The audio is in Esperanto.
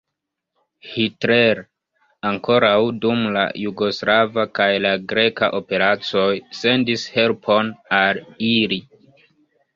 Hitler ankoraŭ dum la jugoslava kaj la greka operacoj sendis helpon al ili.